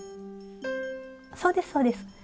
そうですそうです。